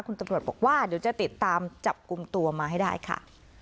คุณตำรวจบอกว่าเดี๋ยวจะติดตามจับกลุ่มตัวมาให้ได้ค่ะ